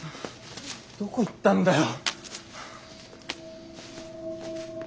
どこ行ったんだよ。